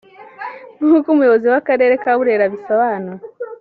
nk’uko umuyobozi w’akarere ka Burera abisobanura